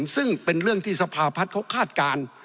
ซึ่งเป็นเรื่องที่สภาพัฒน์เขาคาดการณ์